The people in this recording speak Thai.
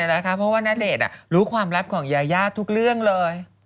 เพราะว่าณเดชน์รู้ความลับของยายาทุกเรื่องเลย